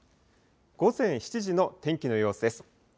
午前７時の天気の様子です。